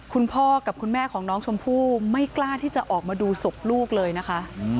คุณพ่อกับคุณแม่ของน้องชมพู่ไม่กล้าที่จะออกมาดูศพลูกเลยนะคะ